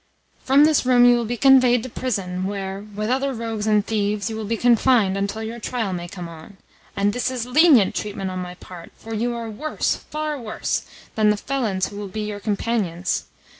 From this room you will be conveyed to prison, where, with other rogues and thieves, you will be confined until your trial may come on. And this is lenient treatment on my part, for you are worse, far worse, than the felons who will be your companions.